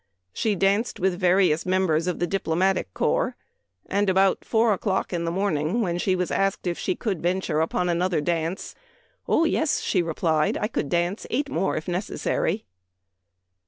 She danced with various mem bers of the diplomatic corps ; and about four o'clock in the morning, when she was asked if she could venture upon another dance, ' O yes !' she replied, ' I could dance eight more if nec essary."'